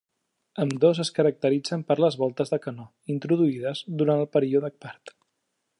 Ambdós es caracteritzen per les voltes de canó, introduïdes durant el període part.